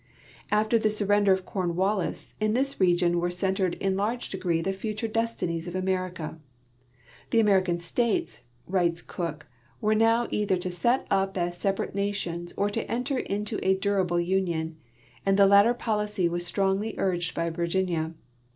After the surrender of Cornwallis, in this region were centered in large degree the future destinies of America. " The American states," writes Cooke, " were now either to set up as separate nations or to enter into a durable union; and the latter policy was strongl}^ urged by Virginia.